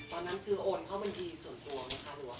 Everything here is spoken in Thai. ตอนนั้นคือโอนเข้าบัญชีส่วนตัวเหรอครับ